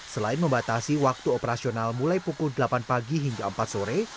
selain membatasi waktu operasional mulai pukul delapan pagi hingga empat sore